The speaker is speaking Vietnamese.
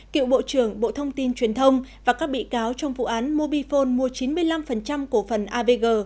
cựu bộ trưởng bộ thông tin truyền thông và các bị cáo trong vụ án mobifone mua chín mươi năm cổ phần avg